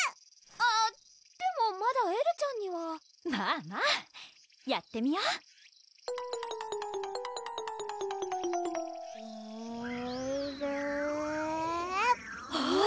あっでもまだエルちゃんにはまぁまぁやってみようえるおぉ！